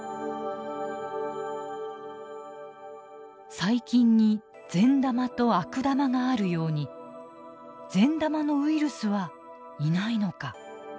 「細菌に善玉と悪玉があるように善玉のウイルスはいないのか」。